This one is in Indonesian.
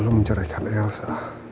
lalu mencerahkan elsa